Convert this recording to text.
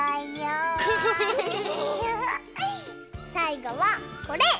さいごはこれ！